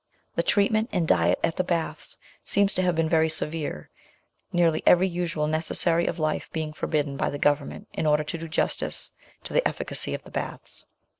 The treatment and diet at the baths seem to have been very severe, nearly every usual necessary of life being fordidden by the Government in order to do justice to the efficacy of the baths.